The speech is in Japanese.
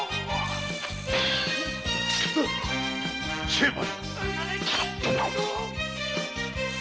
成敗！